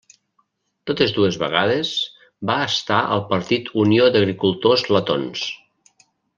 Totes dues vegades va estar al partit Unió d'Agricultors Letons.